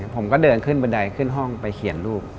ผมก็เดินขึ้นบันไดขึ้นห้องไปเขียนรูป